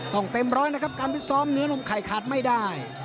เต็มร้อยนะครับการพิซ้อมเนื้อนมไข่ขาดไม่ได้